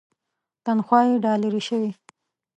تنخوا یې ډالري شوې.